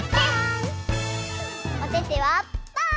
おててはパー！